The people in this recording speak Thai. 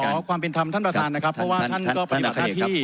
ขอความเป็นธรรมท่านประธานนะครับเพราะว่าท่านก็ปฏิบัติหน้าที่